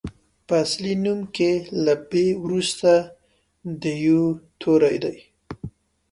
په اصلي نوم کې له بي وروسته د يوو توری دی.